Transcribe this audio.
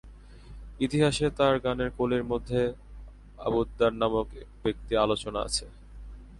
ইতিহাসে তার গানের কলির মধ্যে আব্দুদ্দার নামক এক ব্যক্তির আলোচনা আছে।